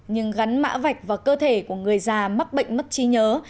nhưng gắn mã vạch vào cơ thể của người già mắc bệnh mất trí nhớ